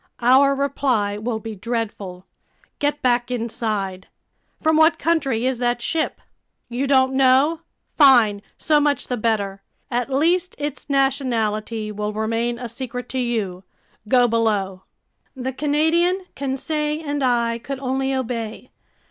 Our reply will be dreadful. Get back inside!" "From what country is that ship?" "You don't know? Fine, so much the better! At least its nationality will remain a secret to you. Go below!" The Canadian, Conseil, and I could only obey.